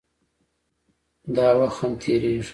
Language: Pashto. داوخت هم تېريږي